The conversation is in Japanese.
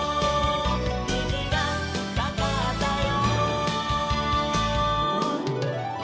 「にじがかかったよ」